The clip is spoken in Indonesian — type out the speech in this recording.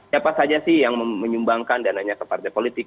siapa saja sih yang menyumbangkan dananya ke partai politik